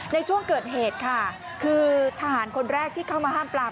ในช่วงเกิดเหตุค่ะคือทหารคนแรกที่เข้ามาห้ามปลาม